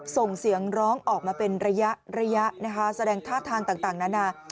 ส่งเสียงร้องออกมาเป็นระยะแสดงท่าทานต่างนะค่ะ